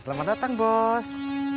selamat datang bos